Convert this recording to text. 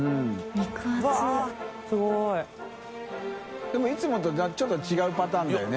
任いつもとちょっと違うパターンだよね。